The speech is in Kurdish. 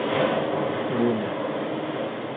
Rûne.